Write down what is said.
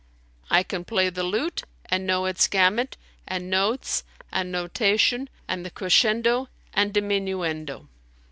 I can play the lute and know its gamut and notes and notation and the crescendo and diminuendo.